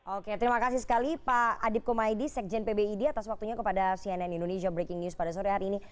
oke terima kasih sekali pak adip kumaydi sekjen pbid atas waktunya kepada cnn indonesia breaking news pada sore hari ini